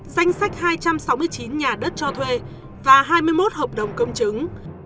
danh sách hai trăm sáu mươi chín nhà đất cho thuê và hai mươi một hợp đồng công chứng